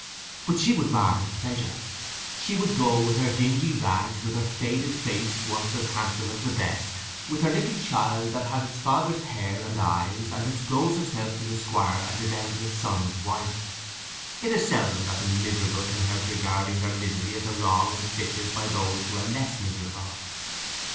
But she would mar his pleasure: she would go in her dingy rags, with her faded face, once as handsome as the best, with her little child that had its father's hair and eyes, and disclose herself to the Squire as his eldest son's wife. It is seldom that the miserable can help regarding their misery as a wrong inflicted by those who are less miserable.